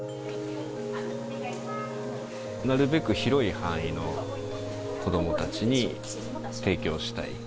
なるべく広い範囲の子どもたちに提供したい。